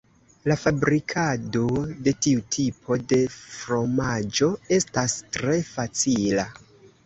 La fabrikado de tiu tipo de fromaĝo estas tre facila.